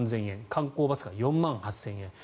観光バスが４万８０００円。